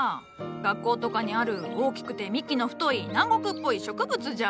学校とかにある大きくて幹の太い南国っぽい植物じゃ。